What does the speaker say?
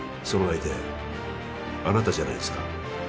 その相手あなたじゃないですか？